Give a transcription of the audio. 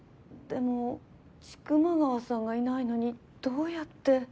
でも千曲川さんがいないのにどうやって？